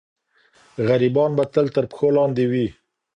غریبان به تل تر پښو لاندې وي.